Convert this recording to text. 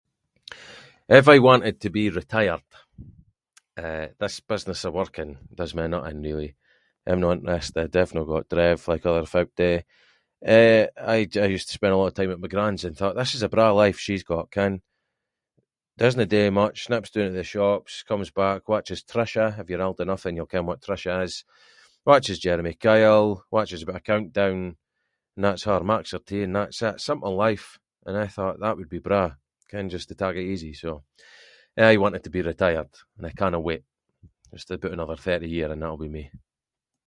I’ve aie wanted to be retired, eh, this business of working, does my nut in really, I’m no interested, I’ve not got drive like other folk do, eh I jus- I used to spend a lot of time at my gran’s and I thought this is a braw life she’s got, ken, doesnae do much, nips doon to the shops, comes back, watches Trisha, if you’re old enough then you’ll ken what Trisha is, watches Jeremy Kyle, watches a bit of Countdown, and that’s her, makes her tea and that’s it, simple life, and I thought that would be braw, ken just to take it easy, so, I’ve aie wanted to be retired and I cannae wait, just aboot another thirty year and that’ll be me.